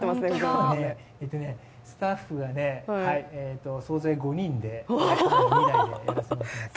今日はスタッフが総勢５人で、カメラが２台でやらせてもらってます。